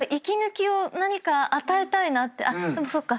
あっでもそっか。